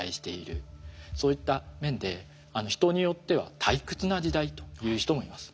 そういった面で人によっては退屈な時代と言う人もいます。